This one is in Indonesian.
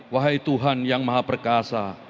wahai tuhan yang maha perkasa